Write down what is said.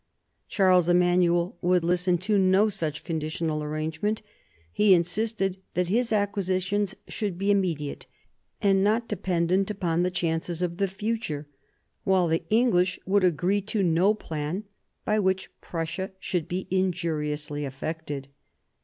Charles Emanuel would listen to no such conditional arrangement, he insisted that his 'acquisitions should be immediate and not dependent upon the chances of the future ; while the English would agree to no plan by which Prussia should be injuriously affected.